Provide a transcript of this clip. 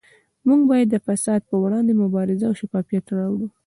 موږ باید د فساد پروړاندې مبارزه او شفافیت راوړو